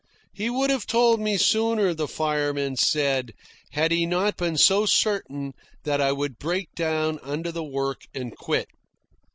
He would have told me sooner, the fireman said, had he not been so certain that I would break down under the work and quit.